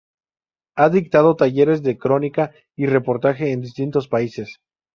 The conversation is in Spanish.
Ha dictado talleres de crónica y reportaje en distintos países.